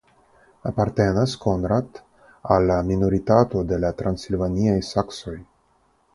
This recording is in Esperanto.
Apartenas Konradt al la minoritato de la transilvaniaj saksoj.